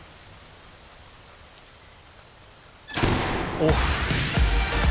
おっ。